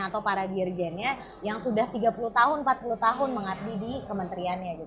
atau para dirjennya yang sudah tiga puluh tahun empat puluh tahun mengabdi di kementeriannya